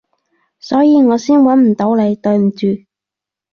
所以我先搵唔到你，對唔住